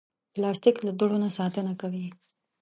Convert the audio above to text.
پلاستيک له دوړو نه ساتنه کوي.